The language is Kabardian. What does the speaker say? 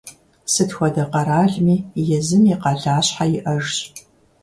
Сыт хуэдэ къэралми езым и къалащхьэ иӀэжщ.